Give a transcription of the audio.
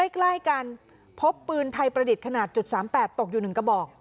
ใกล้กันพบปืนไทยประดิษฐ์ขนาดจุดสามแปดตกอยู่หนึ่งกระบอก